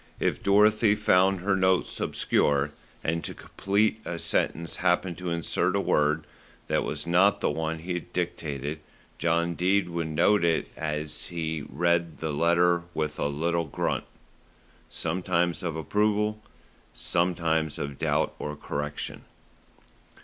If Dorothy found her notes obscure, and to complete a sentence happened to insert a word that was not the one he had dictated, John Dene would note it as he read the letter with a little grunt, sometimes of approval, sometimes of doubt or correction.